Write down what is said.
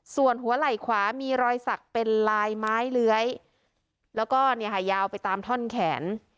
ส่วนหัวไหล่ขวามีรอยสักเป็นลายไม้เลื้อยแล้วก็เนี่ยค่ะยาวไปตามท่อนแขน